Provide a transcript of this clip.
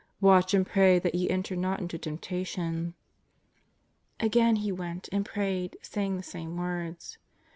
Watch and pray that ye enter not into temptation." Again He went and prayed saying the same words!